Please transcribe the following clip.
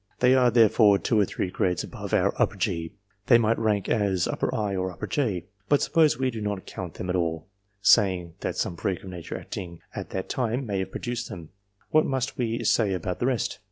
They are, therefore, two or three grades above our G they might rank as I or J. But, supposing we do not count them at all, saying that some freak of nature acting at that time may have produced them, what must we say about the rest